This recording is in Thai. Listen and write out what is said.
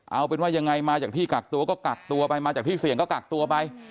เอาเป็นว่ายังไงมาจากที่กักตัวก็กักตัวไปมาจากที่เสี่ยงก็กักตัวไป